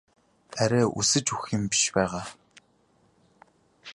Арай өлсөж үхсэн юм биш байгаа?